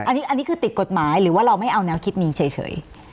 อันนี้คือติดกฎหมายหรือว่าเราไม่เอาแนวคิดนี้เฉย